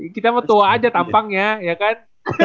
kita metoa aja tampangnya ya kan